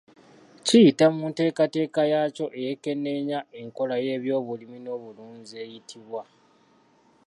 Kiyita mu nteekateeka yaakyo eyeekenneenya enkola y’ebyobulimi n’obulunzi eyitibwa.